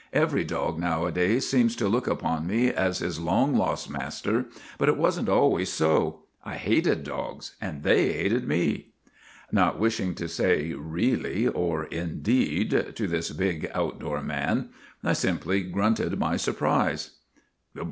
' Every dog nowadays seems to look upon me as his long lost master, but it was n't always so. I hated dogs and they hated me." Not wishing to say " Really ' or " Indeed ' to this big, outdoor man, I simply grunted my sur prise.